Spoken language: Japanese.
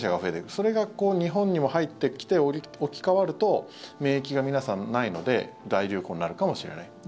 それが日本にも入ってきて置き換わると免疫が皆さん、ないので大流行になるかもしれない。